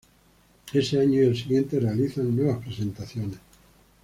Ese año y el siguiente realizan nuevas presentaciones.